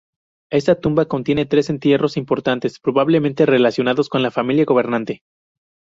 Esta tumba contiene tres entierros importantes, probablemente relacionados con la familia gobernante.